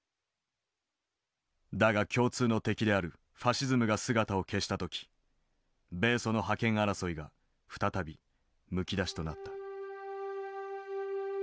だが共通の敵であるファシズムが姿を消した時米ソの覇権争いが再びむき出しとなった。